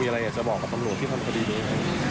มีอะไรอยากจะบอกกับคำหนูที่ทำประดิษฐ์นี้ไหม